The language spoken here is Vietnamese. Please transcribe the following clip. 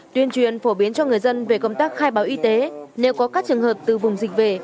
tuyên truyền phổ biến cho người dân về công tác khai báo y tế nếu có các trường hợp từ vùng dịch về